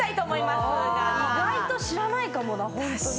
意外と知らないかもな本当に。